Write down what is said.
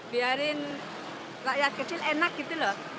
biarin rakyat kecil enak gitu loh